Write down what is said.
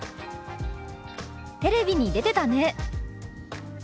「テレビに出てたね」。